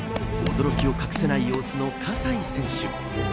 驚きを隠せない様子の葛西選手。